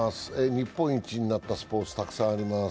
日本一になったスポーツ、たくさんあります。